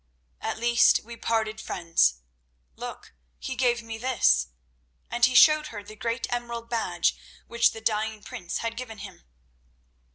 At least we parted friends. Look, he gave me this," and he showed her the great emerald badge which the dying prince had given him.